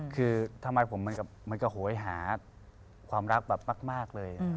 คือทำไมผมเหมือนกับโหยหาความรักแบบมากเลย